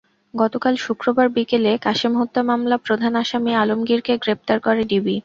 গতকাল শুক্রবার বিকেলে কাশেম হত্যা মামলা প্রধান আসামি আলমগীরকে গ্রেপ্তার করে ডিবি।